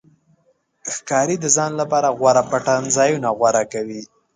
ښکاري د ځان لپاره غوره پټنځایونه غوره کوي.